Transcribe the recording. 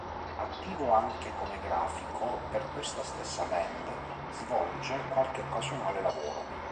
Attivo anche come grafico, per questa stessa band svolge qualche occasionale lavoro.